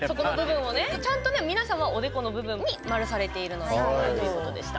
ちゃんと皆さんはおでこの部分に丸されているので正解ということでした。